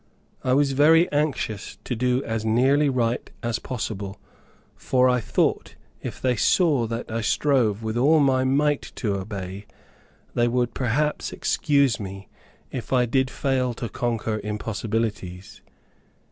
I was very anxious to do as nearly right as possible, for I thought if they saw that I strove with all my might to obey, they would perhaps excuse me if I did fail to conquer impossibilities.